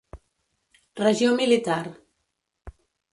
Regió Militar.